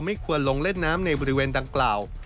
ควรลงเล่นน้ำในบริเวณดังกล่าว